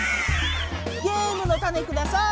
ゲームのタネください！